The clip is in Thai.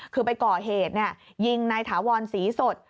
คือไปก่อเหตุยิงนายถาวรศรีสด